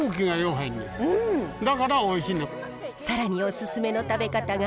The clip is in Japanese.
更におすすめの食べ方が。